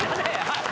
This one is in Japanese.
はい。